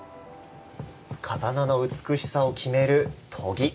刀の美しさを決める、研ぎ。